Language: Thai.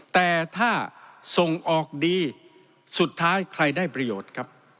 แต่ถ้าส่งออกดีสุดท้ายใครได้ประโยชน์ครับ